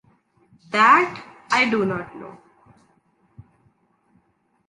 That I do not know.